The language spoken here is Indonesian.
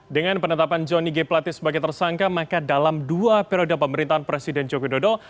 dengan penetapan johnny g plate sebagai tersangka maka dalam dua periode pemerintahan presiden joko widodo